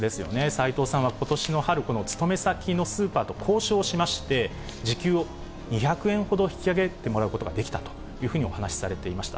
サイトウさんはことしの春、勤め先のスーパーと交渉しまして、時給を２００円ほど引き上げてもらうことができたというふうにお話されていました。